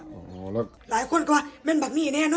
อันดับสุดท้ายก็คืออันดับสุดท้าย